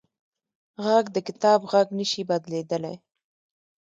غږ د کتاب غږ نه شي بدلېدلی